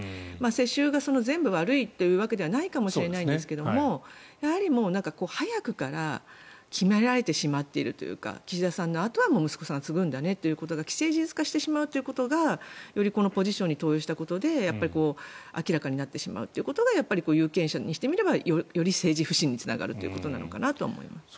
世襲が全部悪いというわけではないかもしれませんがやはり早くから決められてしまっているというか岸田さんの後は息子さんが継ぐんだねということが既成事実化してしまうということがよりこのポジションに登用したことで明らかになってしまうことが有権者にしてみればより政治不信につながるということなのかなと思います。